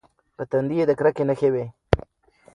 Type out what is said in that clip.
په تندي یې د کرکې نښې وې.